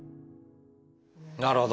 なるほど。